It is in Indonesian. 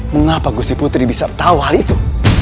mengapa gusi putri bisa tahu hal itu